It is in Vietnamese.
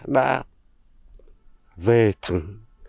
đã về thẳng